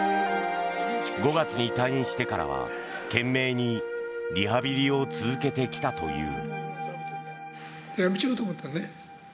５月に退院してからは懸命にリハビリを続けてきたという。